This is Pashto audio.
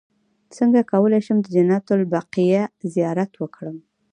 څنګه کولی شم د جنت البقیع زیارت وکړم